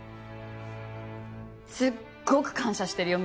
すっごく感謝してるよ